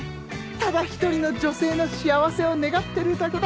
ただ一人の女性の幸せを願ってるだけだ。